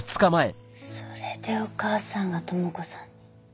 それでお母さんが智子さんに。